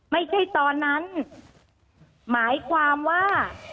ไม่ใช่ตอนนั้นหมายความว่า